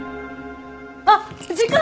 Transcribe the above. あっ時間！